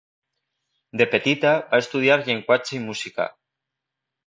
De petita va estudiar llenguatge i música.